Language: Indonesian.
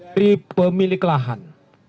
dari pemilik lahan